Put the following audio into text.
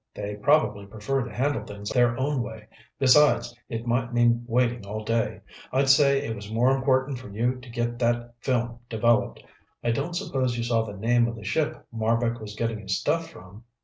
"They probably prefer to handle things their own way. Besides, it might mean waiting all day. I'd say it was more important for you to get that film developed. I don't suppose you saw the name of the ship Marbek was getting his stuff from?"